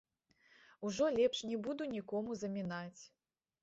Ужо лепш не буду нікому замінаць.